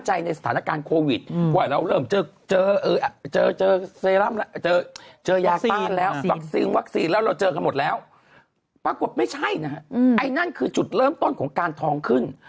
จุดเริ่มต้นของการทองขึ้น